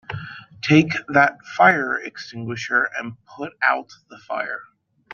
Take that fire extinguisher and put out the fire!